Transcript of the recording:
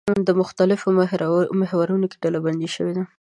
د مختلفو محورونو کې ډلبندي شوي دي.